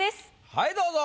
はいどうぞ。